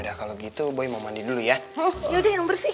mencari itu mau mandi dulu yaed chapter sih